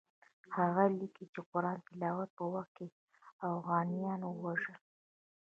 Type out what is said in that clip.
هغه لیکي چې د قرآن تلاوت په وخت اوغانیان ووژل.